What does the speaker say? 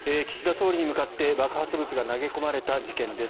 総理に向かって爆発物が投げ込まれた事件です。